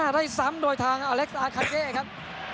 ได้ซ้ำโดยทางอเล็กซ์อาคาเย่ครับ